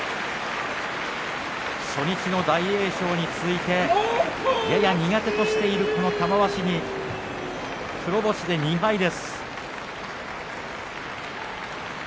初日に大栄翔に続いてやや苦手としている玉鷲に黒星２敗目。